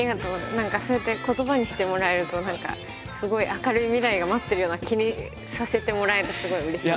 何かそうやって言葉にしてもらえると何かすごい明るい未来が待ってるような気にさせてもらえてすごいうれしい。